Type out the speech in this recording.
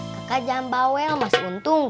kakak jangan bawel mas untung